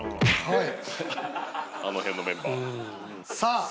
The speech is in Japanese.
はい。